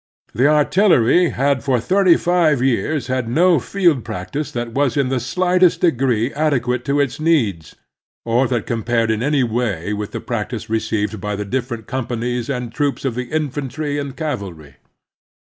The artillery had for thirty five years had no field practice that was in the slightest degree ade quate to its needs, or that compared in any way with the practice received by the different com panies and troops of the infantry and cavalry.